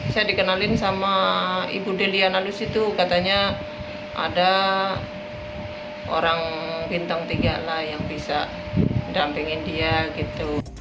saya dikenalin sama ibu delianalus itu katanya ada orang bintang tiga lah yang bisa dampingin dia gitu